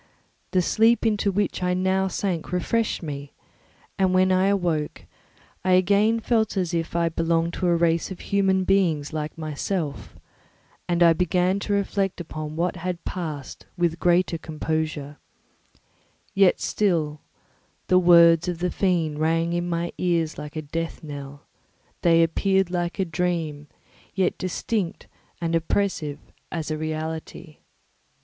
The sleep into which I now sank refreshed me; and when I awoke, I again felt as if I belonged to a race of human beings like myself, and I began to reflect upon what had passed with greater composure; yet still the words of the fiend rang in my ears like a death knell; they appeared like a dream, yet distinct and oppressive as a reality.